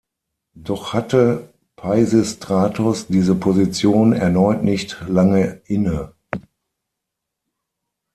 Doch hatte Peisistratos diese Position erneut nicht lange inne.